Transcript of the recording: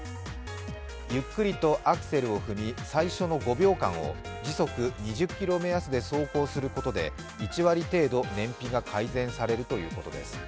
ゆっくりとアクセルを踏み、最初の５秒間を時速２０キロ目安で走行することで１割程度燃費が改善されるということです。